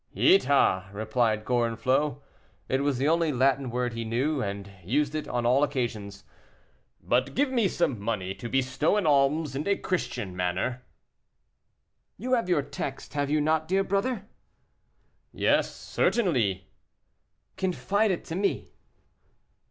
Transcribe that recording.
"Ita," replied Gorenflot; it was the only Latin word he knew, and used it on all occasions. "But give me some money to bestow in alms in a Christian manner." "You have your text, have you not, dear brother?" "Yes, certainly." "Confide it to me."